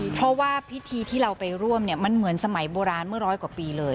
เพราะว่าพิธีที่เราไปร่วมเนี่ยมันเหมือนสมัยโบราณเมื่อร้อยกว่าปีเลย